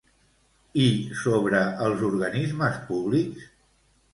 I sobre els organismes públics?